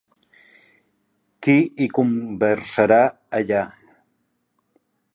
Qui hi conversarà, allà?